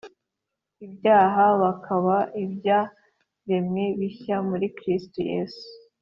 Ibyaha bakaba ibyaremwe bishya muri kristo yesu